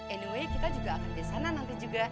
anyway kita juga akan di sana nanti juga